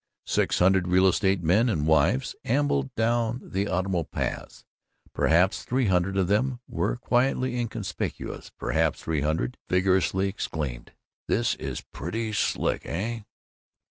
Six hundred real estate men and wives ambled down the autumnal paths. Perhaps three hundred of them were quietly inconspicuous; perhaps three hundred vigorously exclaimed, "This is pretty slick, eh?"